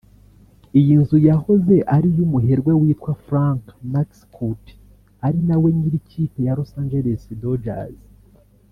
Iyi nzu yahoze ari iy’umuherwe witwa Frank McCourt ari na we nyir’ikipe ya Los Angeles Dogers